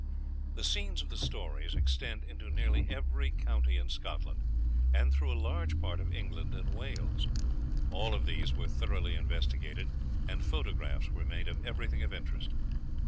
The scenes of the stories extend into nearly every county in Scotland and through a large part of England and Wales. All of these were thoroughly investigated, and photographs were made of everything of interest.